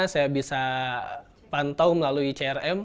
saya bisa pantau melalui crm